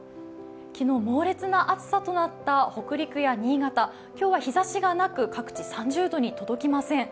昨日猛烈な暑さとなった北陸や新潟、今日は日ざしがなく、各地、３０度に届きません。